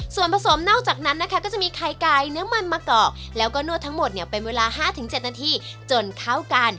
ส่วนผสมนอกจากนั้นนะคะก็จะมีไข่ไก่เนื้อมันมะกอกแล้วก็นวดทั้งหมดเนี่ยเป็นเวลา๕๗นาทีจนเข้ากัน